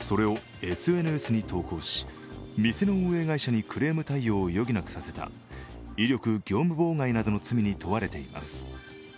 それをＳＮＳに投稿し店の運営会社にクレーム対応を余儀なくさせた威力業務妨害などの罪に問われています。